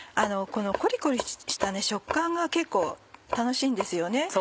このコリコリした食感が結構楽しいんですよね。